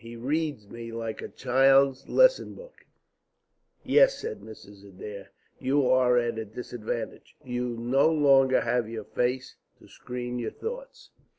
He reads me like a child's lesson book." "Yes," said Mrs. Adair, "you are at a disadvantage. You no longer have your face to screen your thoughts."